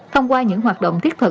thông qua những hoạt động